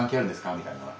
みたいな。